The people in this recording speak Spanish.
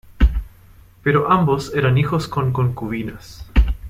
Pero ambos eran hijos con concubinas.